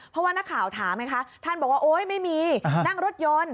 เพราะว่านักข่าวถามไงคะท่านบอกว่าโอ๊ยไม่มีนั่งรถยนต์